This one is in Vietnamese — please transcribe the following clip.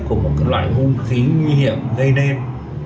của một loại hung khí nguy hiểm gây đêm